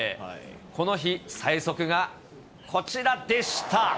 この日、最速がこちらでした。